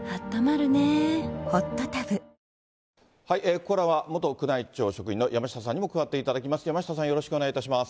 ここからは、元宮内庁職員の山下さんにも加わっていただきます。